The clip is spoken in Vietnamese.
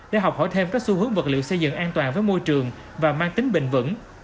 để học hỏi thêm các xu hướng vật liệu xây dựng an toàn với môi trường và mang tính bình vẩn